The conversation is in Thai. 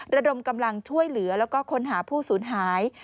ระดมกำลังช่วยเหลือแล้วก็ค้นหาผู้สูญหาย